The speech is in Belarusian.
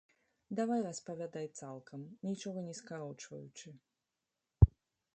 Давай распавядай цалкам, нічога не скарочваючы.